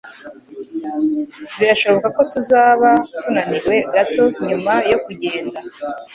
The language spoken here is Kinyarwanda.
Birashoboka ko tuzaba tunaniwe gato nyuma yo kugenda.